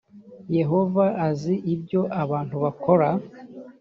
yehova azi ibyo abantu bakora